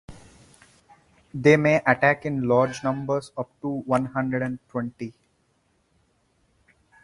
They may attack in large numbers up to one hundred and twenty.